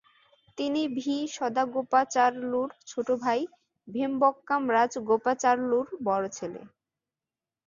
তিনি ভি সদাগোপাচারলুর ছোট ভাই ভেমবক্কাম রাজগোপাচারলুর বড় ছেলে।